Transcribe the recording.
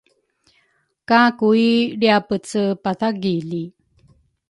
ka Kui lri-apece pathagili.